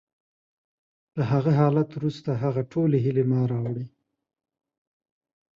له هغه حالت وروسته، هغه ټولې هیلې ما راوړې